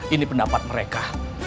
ini pendapat mereka